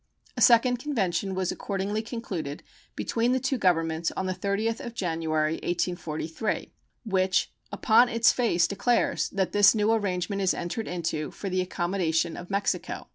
A second convention was accordingly concluded between the two Governments on the 30th of January, 1843, which upon its face declares that "this new arrangement is entered into for the accommodation of Mexico."